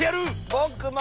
ぼくも！